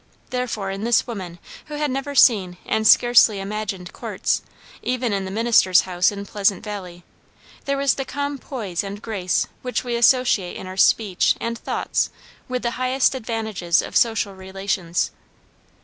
Therefore, in this woman, who had never seen and scarcely imagined courts, even in the minister's house in Pleasant Valley, there was the calm poise and grace which we associate in our speech and thoughts with the highest advantages of social relations.